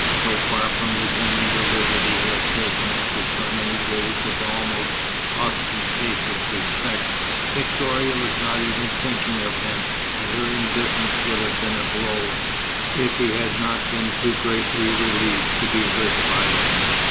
So far from resenting the liberty he had taken after so many days of almost ostentatious respect, Victoria was not even thinking of him, and her indifference would have been a blow, if he had not been too greatly relieved to be hurt by it.